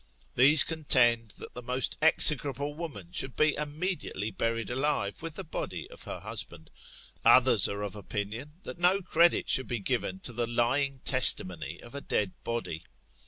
These contend that the most execrable woman should be immediately buried alive, with the body of her' husband. Others are of opinion, that no credit should be given to the lying testimony of a dead body.